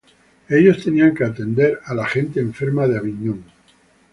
Ellos tenían que atender a la gente enferma de Aviñón.